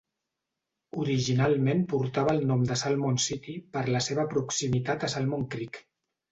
Originalment portava el nom de Salmon City per la seva proximitat a Salmon Creek.